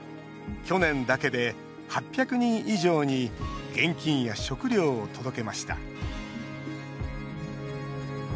去年だけで８００人以上に現金や食料を届けました。